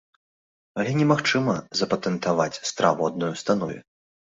Але немагчыма запатэнтаваць страву адной установе.